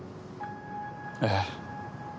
ええ。